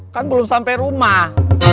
kan belum sampai rumah